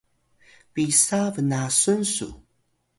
pisa bnasun su?